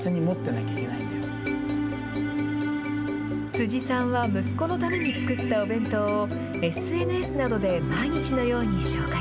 辻さんは息子のために作ったお弁当を、ＳＮＳなどで毎日のように紹介。